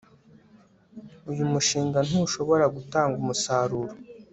Uyu mushinga ntushobora gutanga umusaruro